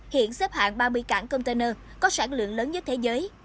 hiện xếp hạng ba mươi cảng container có sản lượng lớn nhất thế giới